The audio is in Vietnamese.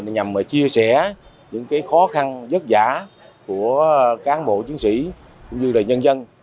nhằm chia sẻ những khó khăn vất vả của cán bộ chiến sĩ cũng như nhân dân